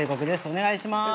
お願いします。